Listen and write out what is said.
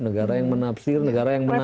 negara yang menafsir negara yang menawar